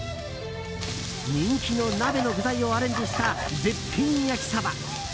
人気の鍋の具材をアレンジした絶品焼きそば。